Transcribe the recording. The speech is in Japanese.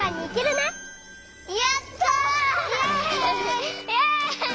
イエイ！